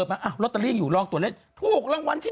มาลอตเตอรี่อยู่รองตัวเลขถูกรางวัลที่๑